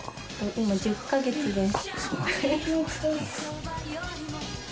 今１０か月です。